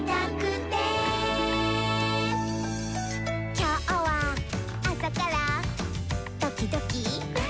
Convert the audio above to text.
「きょうはあさからドキドキ」